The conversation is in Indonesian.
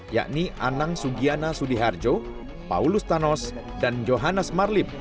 yakni anang sugiana sudiharjo paulus thanos dan johannes marlim